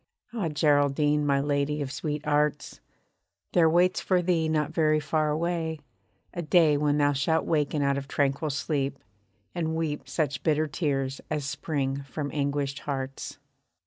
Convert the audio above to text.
Ah, Geraldine! my lady of sweet arts, There waits for thee not very far away, a day When thou shalt waken out of tranquil sleep, and weep Such bitter tears as spring from anguished hearts.